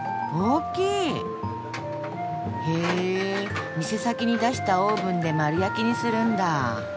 へえ店先に出したオーブンで丸焼きにするんだ。